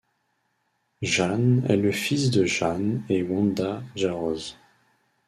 Jan est le fils de Jan et Wanda Jarosz.